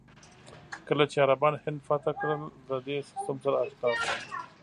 کله چې عربان هند فتح کړل، له دې سیستم سره اشنا شول.